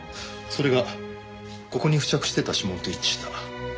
それがここに付着してた指紋と一致した。